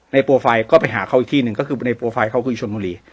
โปรไฟล์ก็ไปหาเขาอีกที่หนึ่งก็คือในโปรไฟล์เขาคือชนบุรี